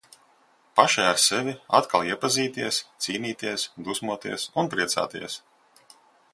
Pašai ar sevi - atkal iepazīties, cīnīties, dusmoties un priecāties.